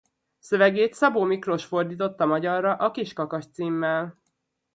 Szövegét Szabó Miklós fordította magyarra A kis kakas címmel.